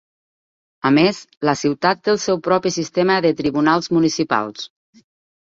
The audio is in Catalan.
A més, la ciutat té el seu propi sistema de tribunals municipals.